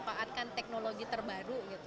kita harus memiliki teknologi terbaru